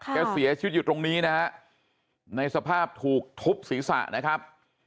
เสียชีวิตอยู่ตรงนี้นะฮะในสภาพถูกทุบศีรษะนะครับ